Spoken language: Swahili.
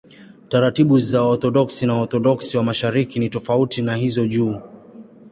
Taratibu za Waorthodoksi na Waorthodoksi wa Mashariki ni tofauti na hizo juu.